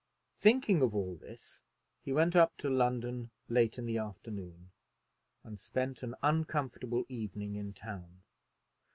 Thinking of all this, he went up to London late in the afternoon, and spent an uncomfortable evening in town.